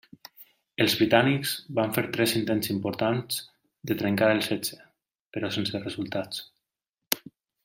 Els britànics van fer tres intents importants de trencar el setge però sense resultats.